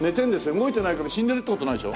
動いてないけど死んでるって事はないでしょ？